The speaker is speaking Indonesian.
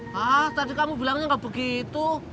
hah tadi kamu bilangnya nggak begitu